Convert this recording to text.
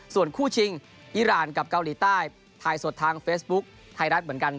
ส่วนคู่ชิงอิราณกับเกาหลีใต้ถ่ายสดทางเฟซบุ๊คไทยรัฐเหมือนกัน